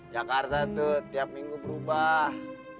jakarta tuh tiap minggu berubah